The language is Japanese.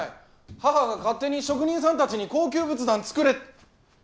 母が勝手に職人さんたちに高級仏壇作れ。